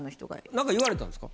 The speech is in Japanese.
何か言われたんですか？